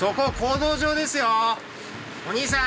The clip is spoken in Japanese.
お兄さん！